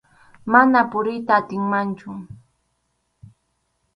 Manam puriyta atinmanchu.